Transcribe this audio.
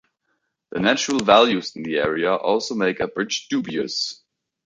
The natural values in the area also makes a bridge dubious.